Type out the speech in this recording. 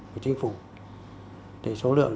nhưng khi các xã có biến động